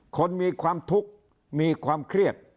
คนมีความทุกข์มีความเครียด